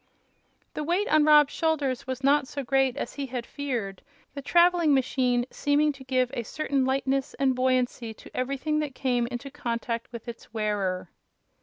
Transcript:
The weight on Rob's shoulders was not so great as he had feared, the traveling machine seeming to give a certain lightness and buoyancy to everything that came into contact with its wearer.